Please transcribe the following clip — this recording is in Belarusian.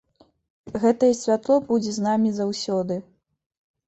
Гэтае святло будзе з намі заўсёды.